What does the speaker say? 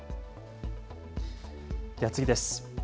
では次です。